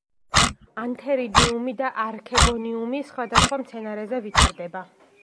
ანთერიდიუმი და არქეგონიუმი სხვადასხვა მცენარეზე ვითარდება.